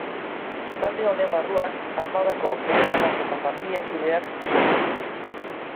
Talde honen barruan armadako jeneralak eta familia kideak zeuden.